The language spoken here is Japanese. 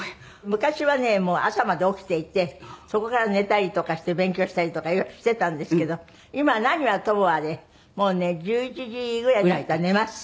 昔はねもう朝まで起きていてそこから寝たりとかして勉強したりとかいろいろしてたんですけど今は何はともあれもうね１１時ぐらいになったら寝ます。